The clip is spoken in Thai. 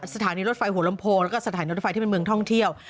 สถานีรถไฟหัวลำโพงแล้วก็สถานีรถไฟที่เป็นเมืองท่องเที่ยว